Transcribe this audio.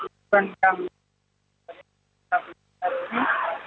yang berada di gunung gunung kebuan